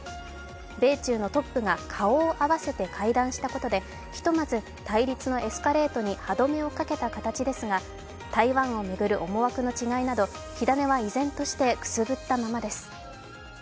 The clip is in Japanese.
米中のトップが顔を合わせて会談したことでひとまず対立のエスカレートに歯止めをかけた形ですが台湾を巡る思惑の違いなど火種は依然としてくすぶったままです。